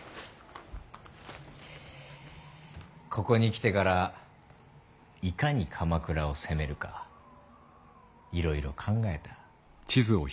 ここに来てからいかに鎌倉を攻めるかいろいろ考えた。